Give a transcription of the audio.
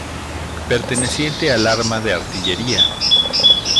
Perteneciente al Arma de Artillería.